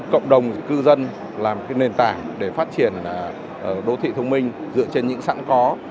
cộng đồng cư dân làm nền tảng để phát triển đô thị thông minh dựa trên những sẵn có